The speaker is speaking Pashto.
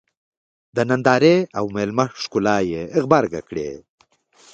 د نندارې او مېلمه ښکلا یې غبرګه کړې.